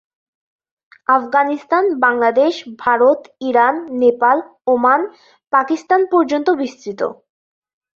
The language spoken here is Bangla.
আফগানিস্তান, বাংলাদেশ, ভারত, ইরান, নেপাল, ওমান, পাকিস্তান পর্যন্ত বিস্তৃত।